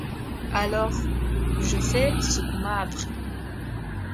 Alors, je fais ce qu’on m’a appris.